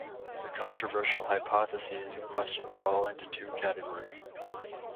The controversial hypotheses in question fall into two categories.